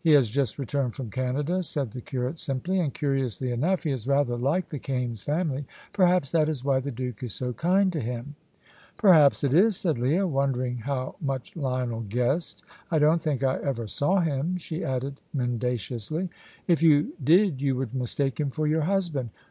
He has just returned from Canada," said the curate, simply; "and, curiously enough, he is rather like the Kaimes family. Perhaps that is why the Duke is so kind to him." "Perhaps it is," said Leah, wondering how much Lionel guessed. "I don't think I ever saw him," she added, mendaciously. "If you did you would mistake him for your husband."